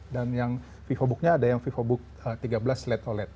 dan yang vivobook nya ada yang vivobook tiga belas led oled